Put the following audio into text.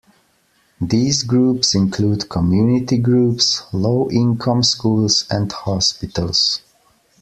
These groups include community groups, low-income schools and hospitals.